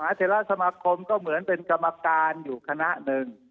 เทราสมาคมก็เหมือนเป็นกรรมการอยู่คณะหนึ่ง